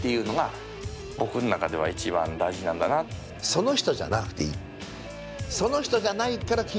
その人じゃなくていい。